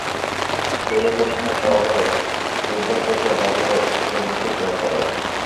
DNA পরীক্ষার ফলাফলে হূদযন্ত্রের ক্রিয়া বন্ধ হয়ে প্রিসলির মৃত্যুর প্রমাণ পাওয়া গেছে।